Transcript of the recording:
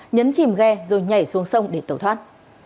nhấn chìm ghe rồi nhảy xuống sông để tẩu thoát